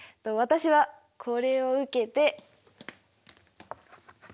私はこれを受けて。